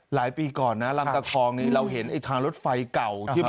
หลายปีก่อนนะลำตะคองนี้เราเห็นไอ้ทางรถไฟเก่าที่